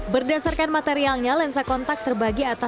berdasarkan materialnya lensa kontak terbagi agak besar